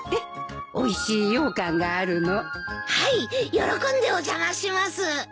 喜んでお邪魔します。